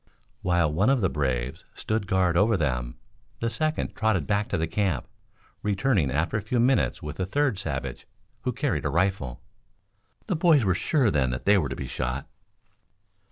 While one of the braves stood guard over them, the second trotted back to the camp, returning after a few minutes with a third savage who carried a rifle. The boys were sure then that they were to be shot.